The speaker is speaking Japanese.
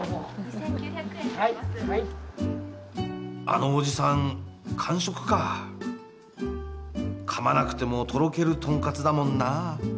あのおじさん完食か噛まなくてもとろけるとんかつだもんな